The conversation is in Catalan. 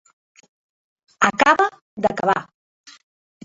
Acaba d'acabar.